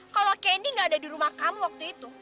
kalau kendi gak ada di rumah kamu waktu itu